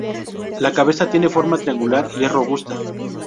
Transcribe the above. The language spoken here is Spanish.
La cabeza tiene forma triangular y es robusta.